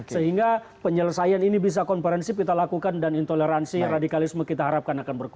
sehingga penyelesaian ini bisa konferensi kita lakukan dan intoleransi radikalisme kita harapkan